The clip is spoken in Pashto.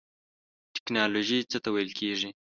ټیکنالوژی څه ته ویل کیږی؟